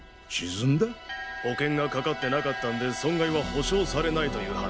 保険がかかってなかったんで損害は補償されないという話だ。